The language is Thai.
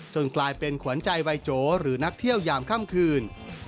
กลายเป็นขวัญใจวัยโจหรือนักเที่ยวยามค่ำคืน